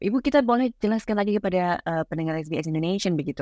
ibu kita boleh jelaskan lagi kepada pendengar xps indonesia